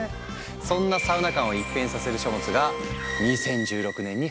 そんなサウナ観を一変させる書物が２０１６年に発表されたんだ。